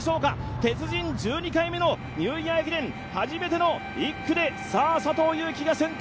鉄人、１２回目のニューイヤー駅伝、初めての１区で佐藤悠基が先頭。